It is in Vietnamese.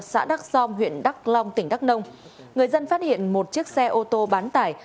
xã đắk som huyện đắk long tỉnh đắk nông người dân phát hiện một chiếc xe ô tô bán tải